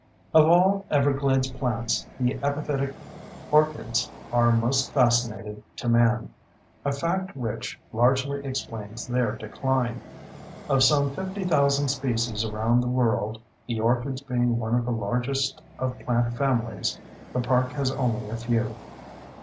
Of all Everglades plants, the epiphytic orchids are most fascinating to man—a fact which largely explains their decline. Of some 50,000 species around the world (the orchids being one of the largest of plant families), the park has only a few.